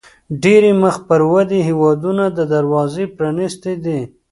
ډېری مخ پر ودې هیوادونو دروازې پرانیستې دي.